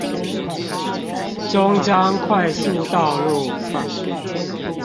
中彰快速道路